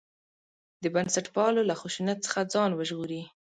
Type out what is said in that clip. د بنسټپالو له خشونت څخه ځان وژغوري.